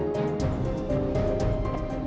bisa kerja nggak